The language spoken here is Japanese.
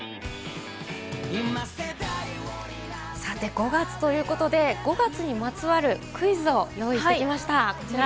５月ということで５月にまつわるクイズを用意してきました。